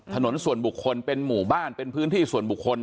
ถนนส่วนบุคคลเป็นหมู่บ้านเป็นพื้นที่ส่วนบุคคล